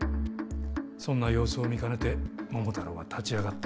そんな様子を見かねて桃太郎は立ち上がった。